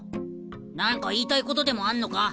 何か言いたいことでもあんのか？